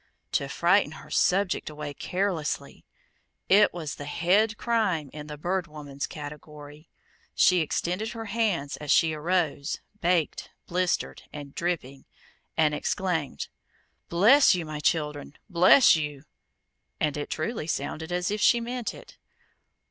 To frighten her subject away carelessly! It was the head crime in the Bird Woman's category. She extended her hands as she arose, baked, blistered, and dripping, and exclaimed: "Bless you, my children! Bless you!" And it truly sounded as if she meant it.